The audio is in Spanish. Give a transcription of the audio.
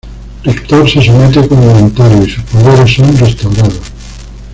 Rictor se somete como voluntario y sus poderes son restaurados.